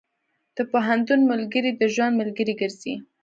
د پوهنتون ملګري د ژوند ملګري ګرځي.